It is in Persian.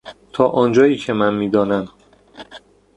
تا آنجایی که من میدانم.